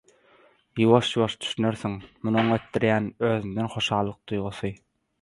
Ýuwaş-ýuwaş düşünersiň – muny oňa etdirýän özünden hoşallyk duýgusy.